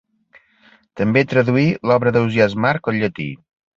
També traduí l'obra d'Ausiàs March al llatí.